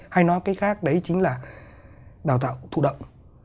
hay nói một cái khác đấy chính là đào tạo thụ động